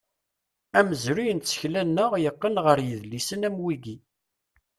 Amezruy n tsekla-nneɣ, yeqqen ɣer yidlisen am wigi.